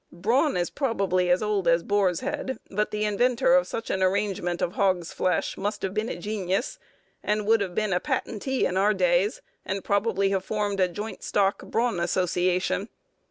Brawn is probably as old as boar's head; but the inventor of such an arrangement of hogsflesh must have been a genius, and would have been a patentee in our days, and probably have formed a joint stock brawn association.